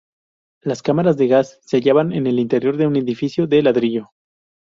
Las cámaras de gas se hallaban en el interior de un edificio de ladrillo.